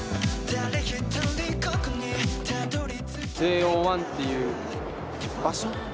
ＪＯ１っていう場所。